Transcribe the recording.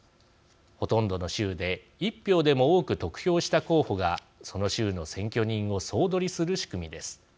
ほとんどの州で一票でも多く得票した候補がその州の選挙人を総取りする仕組みです。